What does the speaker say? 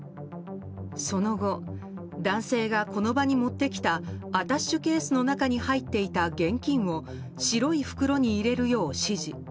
その後、男性がこの場に持ってきたアタッシェケースの中に入っていた現金を白い袋に入れるよう指示。